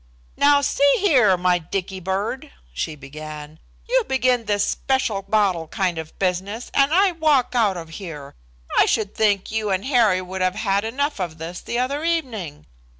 "Now, see here, my Dicky bird," she began, "you begin this special bottle kind of business and I walk out of here. I should think you and Harry would have had enough of this the other evening.